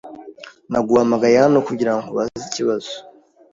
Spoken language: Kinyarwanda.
Naguhamagaye hano kugirango nkubaze ikibazo.